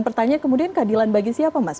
pertanyaan kemudian keadilan bagi siapa mas